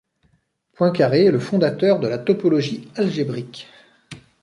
Poincaré est le fondateur de la topologie algébrique.